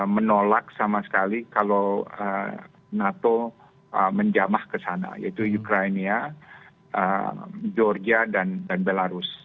menolak sama sekali kalau nato menjamah ke sana yaitu ukraina georgia dan belarus